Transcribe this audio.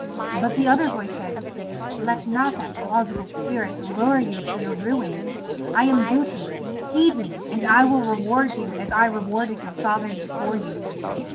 But the other voice said: "Let not that plausible spirit lure you to your ruin. I am Duty; heed me, and I will reward you as I rewarded your fathers before you."